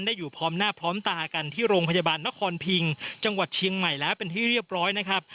อยู่พร้อมหน้าพร้อมตากันที่โรงพยาบาลนครพิงจังหวัดเชียงใหม่แล้วเป็นที่เรียบร้อยนะครับ